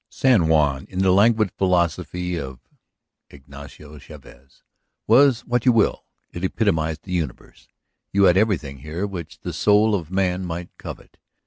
San Juan, in the languid philosophy of Ignacio Chavez, was what you will. It epitomized the universe. You had everything here which the soul of man might covet.